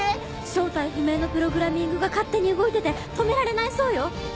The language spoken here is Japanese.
正体不明のプログラミングが勝手に動いてて止められないそうよ。